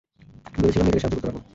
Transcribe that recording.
ভেবেছিলাম, মেয়েটাকে সাহায্য করতে পারব।